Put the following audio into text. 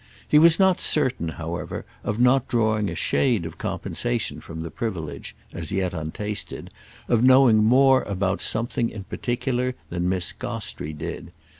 He was not certain, however, of not drawing a shade of compensation from the privilege, as yet untasted, of knowing more about something in particular than Miss Gostrey did.